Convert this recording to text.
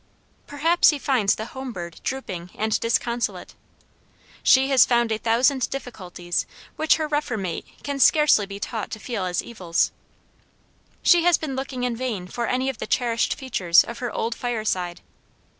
Perhaps he finds the home bird drooping and disconsolate. She has found a thousand difficulties which her rougher mate can scarcely be taught to feel as evils. She has been looking in vain for any of the cherished features of her old fireside.